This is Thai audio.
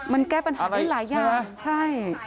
มันแก้ปัญหาได้หลายอย่างใช่